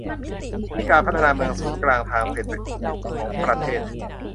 ที่การพัฒนาเมืองศูนย์กลางทางเศรษฐกิจของประเทศ